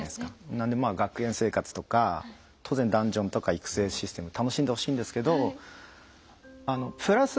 なんで学園生活とか当然ダンジョンとか育成システム楽しんでほしいんですけどプラス